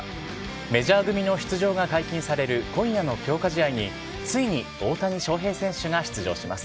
メジャー組の出場が解禁される今夜の強化試合に、ついに大谷翔平選手が出場します。